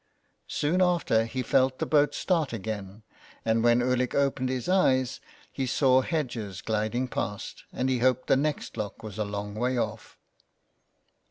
Soon after, he felt the boat start again, and when Ulick opened his eyes, he saw hedges gliding past, and he hoped the next lock was a long way off.